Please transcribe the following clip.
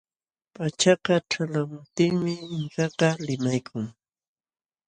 Pachaka ćhalqamuptinmi Inkakaq limaykun.